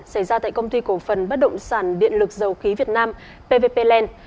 xảy ra tại công ty cổ phần bất động sản điện lực dầu khí việt nam pvp land